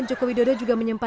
saya sudah apa